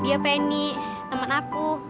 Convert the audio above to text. dia penny temen aku